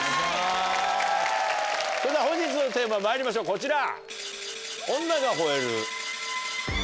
それでは本日のテーマまいりましょうこちら。